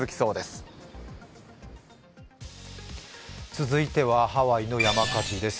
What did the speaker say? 続いてはハワイの山火事です。